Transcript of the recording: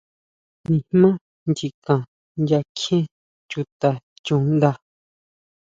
Nijmá nyikan nya kjie chuta chuʼnda.